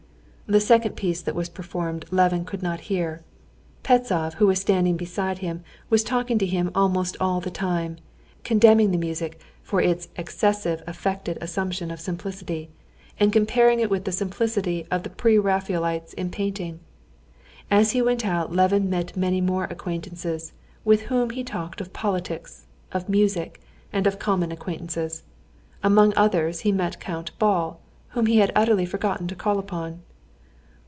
The second piece that was performed Levin could not hear. Pestsov, who was standing beside him, was talking to him almost all the time, condemning the music for its excessive affected assumption of simplicity, and comparing it with the simplicity of the Pre Raphaelites in painting. As he went out Levin met many more acquaintances, with whom he talked of politics, of music, and of common acquaintances. Among others he met Count Bol, whom he had utterly forgotten to call upon.